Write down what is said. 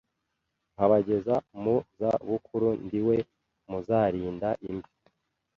nkabageza mu za bukuru ndi We Muzarinda imvi